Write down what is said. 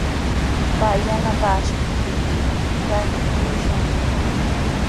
Pay yanapaashuptiykiqa rasmi ushanki.